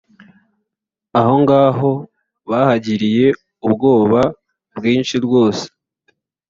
Aho ngaho bahagiriye ubwoba bwi nshi rwose